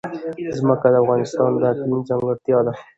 ځمکه د افغانستان د اقلیم ځانګړتیا ده.